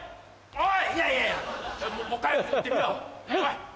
おい！